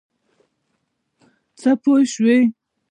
څه پوه شوې.